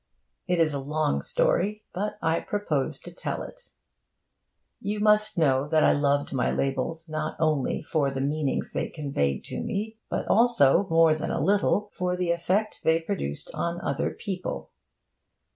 It is a long story; but I propose to tell it. You must know that I loved my labels not only for the meanings they conveyed to me, but also, more than a little, for the effect they produced on other people.